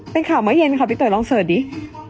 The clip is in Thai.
เป็นข่าวเมื่อเย็นค่ะพี่เต๋อลองเสิร์ชดิ